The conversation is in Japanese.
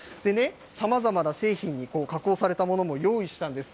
さまざまな製品に加工されたものも用意したんです。